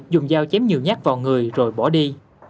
dùng dao chém nhiều nhát vào người rồi bỏ đi